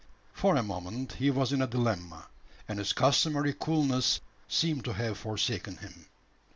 For a moment he was in a dilemma, and his customary coolness seemed to have forsaken him.